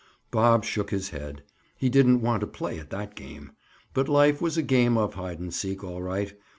Bob shook his head. He didn't want to play at that game. But life was a game of hide and seek, all right.